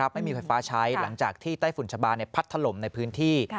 ไม่มีไฟฟ้าใช้หลังจากที่ไต้ฝุ่นชะบานพัดถล่มในพื้นที่